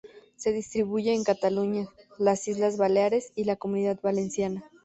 Se distribuye en Cataluña, las Islas Baleares y la Comunidad Valenciana.